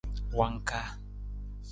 Wangkaa.